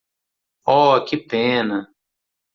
Oh, que pena!